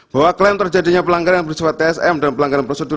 bahwa klaim terjadinya pelanggaran beriswa tsm dan pelanggaran presidun pemilihan